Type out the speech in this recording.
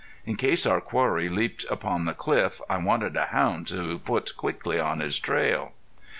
In case our quarry leaped upon the cliff I wanted a hound to put quickly on his trail.